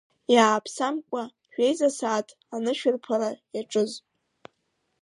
Иааԥсамкәа, жәеиза сааҭ анышәрԥԥара иаҿыз.